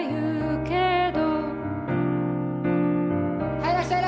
はいいらっしゃい！